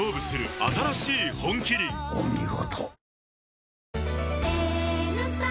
お見事。